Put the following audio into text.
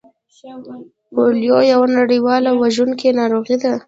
پولیو یوه نړیواله وژونکې ناروغي ده